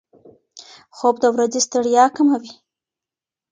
خوب د ورځې ستړیا کموي.